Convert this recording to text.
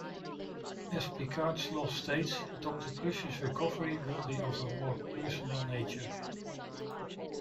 As Picard's log states, Doctor Crusher's recovery will be of a more personal nature.